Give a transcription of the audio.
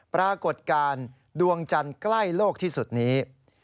ปรากฏการณ์ดวงจันทร์ใกล้โลกที่สุดนี้